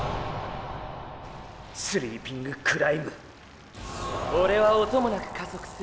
スリーピングクライムオレは音もなく加速する。